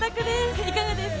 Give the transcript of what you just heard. いかがですか？